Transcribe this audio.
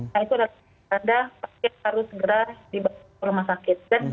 nah itu adalah tanda tanda pasien harus segera di bawah rumah sakit